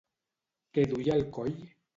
Què duia al coll?